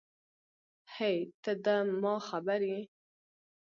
هی ته ده ما خبر یی